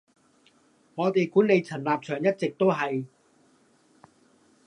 我哋管理層立場一直都係